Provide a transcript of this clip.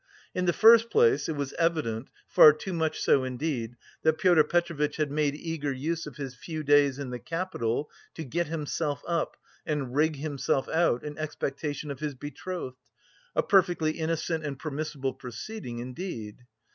In the first place, it was evident, far too much so indeed, that Pyotr Petrovitch had made eager use of his few days in the capital to get himself up and rig himself out in expectation of his betrothed a perfectly innocent and permissible proceeding, indeed.